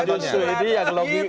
justru ini yang